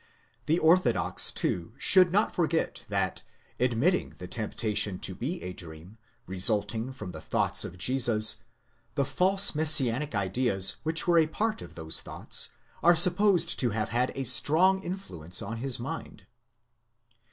The orthodox, too, should not forget that, admitting the temptation to be a dream, resulting from the thoughts of Jesus, the false messianic ideas which were a part of those thoughts, are supposed to have had a strong influence on his mind.